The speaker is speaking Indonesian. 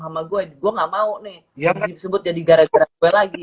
sama gue gue gak mau nih disebut jadi gara gara gue lagi